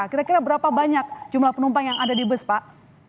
kira kira berapa banyak jumlah penumpang yang ada di bus pak